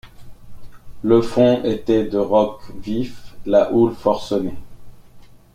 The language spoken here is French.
Le fond était de roc vif, la houle forcenée.